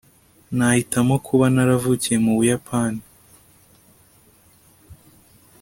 nahitamo kuba naravukiye mu buyapani